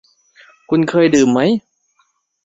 คุณเคยดื่มไหม